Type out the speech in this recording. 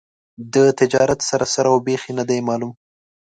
د تجارت سر او بېخ یې نه دي معلوم.